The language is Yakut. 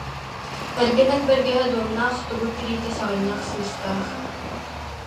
Эргэ нэк бэргэһэ дуомнаах, тугут тириитэ саҕынньах сыыстаах